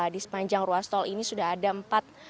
di sepanjang ruas tol ini sudah ada empat